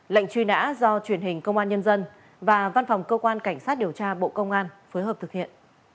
lệnh truy nã do truyền hình công an nhân dân và văn phòng cơ quan cảnh sát điều tra bộ công an phối hợp thực hiện